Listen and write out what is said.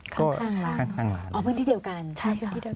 ข้างล้านก็ข้างล้านอ๋อพื้นที่เดียวกันใช่ค่ะ